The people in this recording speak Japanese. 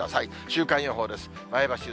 週間予報です。